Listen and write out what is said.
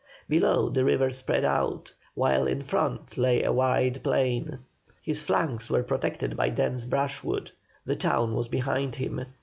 Below, the river spread out, while in front lay a wide plain. His flanks were protected by dense brushwood; the town was behind him.